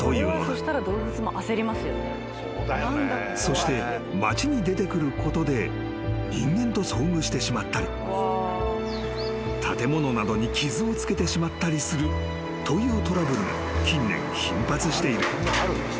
［そして町に出てくることで人間と遭遇してしまったり建物などに傷を付けてしまったりするというトラブルが近年頻発している］